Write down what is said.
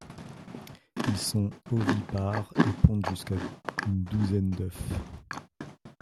Ils sont ovipares et pondent jusqu'à une douzaine d'œufs.